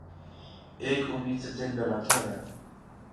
ایک امید سے دل بہلتا رہا